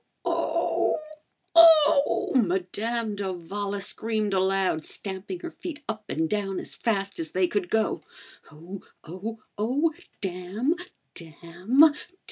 Oh! Oh!" Madame d'Avala screamed aloud, stamping her feet up and down as fast as they could go. "Oh! Oh! Oh! Damn! Damn!